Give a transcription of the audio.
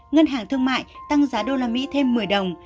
ngân hàng thương mại tăng giá đô la mỹ thêm một mươi đồng